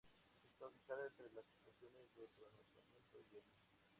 Está ubicada entre las estaciones de Pronunciamiento y Elisa.